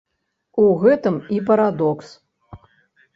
У гэтым і парадокс.